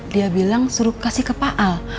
dia bilang suruh kasih ke pak al